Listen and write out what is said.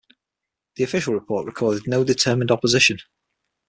The official report recorded, "no determined opposition".